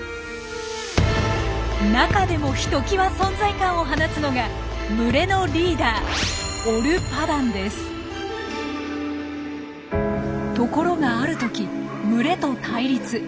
中でもひときわ存在感を放つのが群れのところがある時群れと対立。